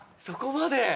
そこまで？